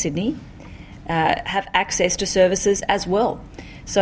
memiliki akses ke perusahaan